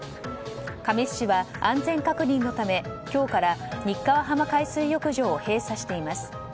神栖市は安全確認のため今日から日川浜海水浴場を閉鎖しています。